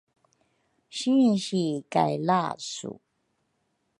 sinsi kay lasu